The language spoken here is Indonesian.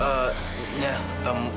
saya colongin kamu semua